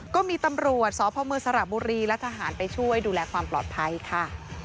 ก็มีตำรวจสพมสระบุรีและทหารไปช่วยดูแลความปลอดภัยค่ะ